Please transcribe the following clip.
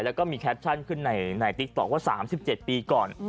แล้วก็มีแคปชั่นขึ้นในติ๊กต๊อกว่า๓๗ปีก่อน